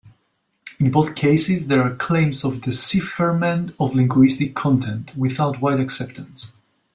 In both cases there are claims of decipherment of linguistic content, without wide acceptance.